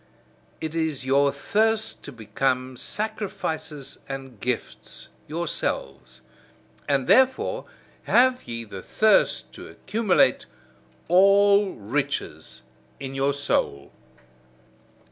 It is your thirst to become sacrifices and gifts yourselves: and therefore have ye the thirst to accumulate all riches in your soul.